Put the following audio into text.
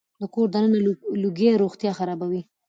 د کور دننه لوګي روغتيا خرابوي.